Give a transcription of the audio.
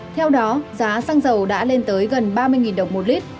theo đó giá xăng dầu đã lên tới gần ba mươi đồng một lít